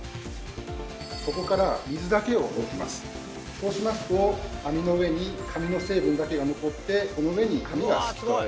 そうしますと網の上に紙の成分だけが残ってこの上に紙がすき取られる。